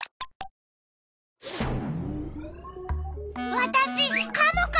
わたしカモカモ！